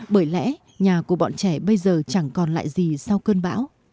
bởi lẽ nhà của bọn trẻ bây giờ chẳng còn lại gì sau cơn bão